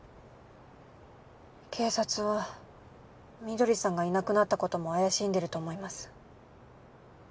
警察は翠さんがいなくなったことも怪しんでると思います。